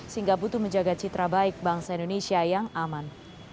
sehingga butuh menjaga citra baik bangsa indonesia yang aman